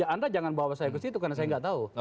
anda jangan bawa saya ke situ karena saya nggak tahu